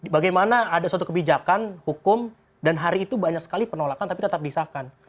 bagaimana ada suatu kebijakan hukum dan hari itu banyak sekali penolakan tapi tetap disahkan